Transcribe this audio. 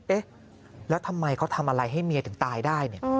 เอ๊ะแล้วทำไมเขาทำอะไรให้เมียถึงตายได้เนี่ย